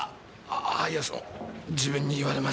あいやその自分に言われましても。